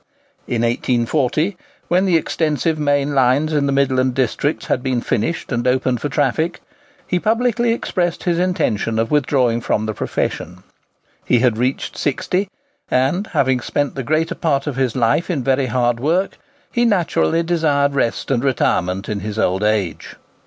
In 1840, when the extensive main lines in the Midland districts had been finished and opened for traffic, he publicly expressed his intention of withdrawing from the profession. He had reached sixty, and, having spent the greater part of his life in very hard work, he naturally desired rest and retirement in his old age.